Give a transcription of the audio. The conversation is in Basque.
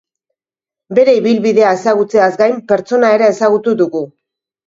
Bere ibilbidea ezagutzeaz gain, pertsona ere ezagutu dugu.